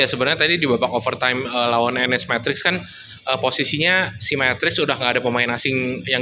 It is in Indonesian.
sebenarnya tadi di babak overtime lawan enes matrix kan posisinya simetris sudah ada pemain asing yang